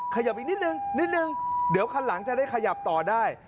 ขยับอีกนิดนึงนิดนึงเดี๋ยวคันหลังจะได้ขยับต่อได้